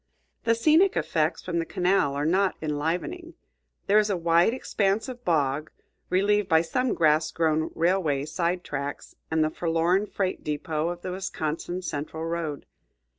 The scenic effects from the canal are not enlivening. There is a wide expanse of bog, relieved by some grass grown railway side tracks and the forlorn freight depot of the Wisconsin Central road.